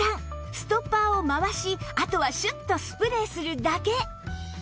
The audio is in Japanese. ストッパーを回しあとはシュッとスプレーするだけ